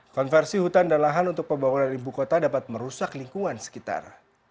konversi hutan dan lahan untuk pembangunan ibu kota dapat merusak lingkungan sekitar